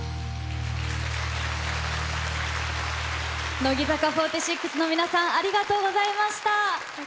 乃木坂４６の皆さん、ありがありがとうございました。